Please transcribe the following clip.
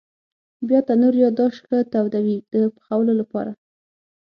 بیا تنور یا داش ښه تودوي د پخولو لپاره.